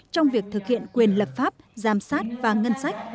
trong việc thực hiện quyền lập pháp giám sát và ngân sách